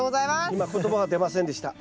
今言葉が出ませんでした。